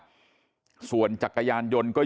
แต่ว่าสุดท้ายก็ตามจนทัน